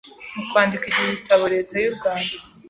Mu kwandika iki gitabo leta y' u Rwanda